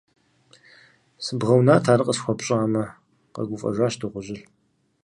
- Сыбгъэунат, ар къысхуэпщӏамэ, - къэгуфӏэжащ дыгъужьыр.